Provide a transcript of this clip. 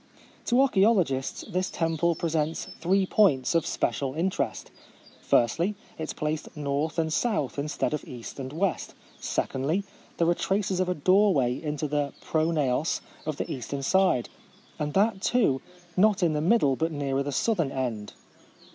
To archaeologists this temple pre sents three points of special inte rest. Firstly, it is placed north and south, instead of east and west. Secondly, there are traces of a door way into the pronaos on the eastern side ; and that, too, not in the mid dle, but nearer the southern end.